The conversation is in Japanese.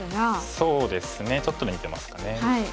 そうですねちょっと似てますかね。